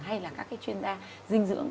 hay là các cái chuyên gia dinh dưỡng